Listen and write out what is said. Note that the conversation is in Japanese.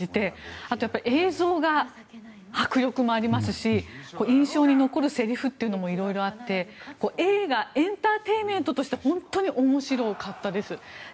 あと、やっぱり映像が迫力もありますし印象に残るせりふというのもいろいろあって映画エンターテインメントとして本当に面白かったです。